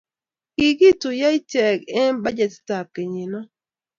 kikituyio icheket eng' bajetitab kenyino